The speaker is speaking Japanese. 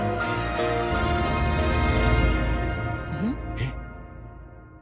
えっ？